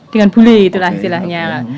dengan bule itulah istilahnya